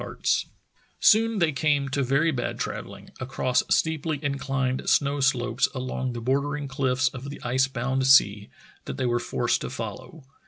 224 True Tales of Arctic Heroism Soon they came to very bad travelling, across steeply inclined snow slopes along the bordering cliffs of the ice bound sea that they were forced to follow.